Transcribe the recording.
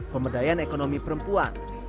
pemberdayaan ekonomi perempuan